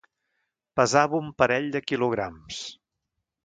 Pesava un parell de quilograms.